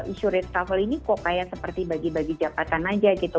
isu reshuffle ini kok kayak seperti bagi bagi jabatan aja gitu